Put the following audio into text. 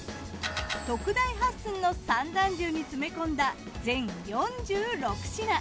特大８寸の三段重に詰め込んだ全４６品。